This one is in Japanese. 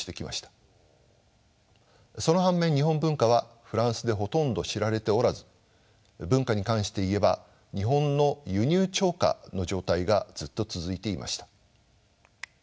その反面日本文化はフランスでほとんど知られておらず文化に関して言えば日本の輸入超過の状態がずっと続いていました。